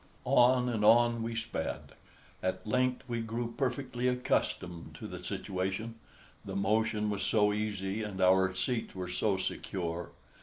On and on we sped. At length we grew perfectly accustomed to the situation, the motion was so easy and our seats were so secure.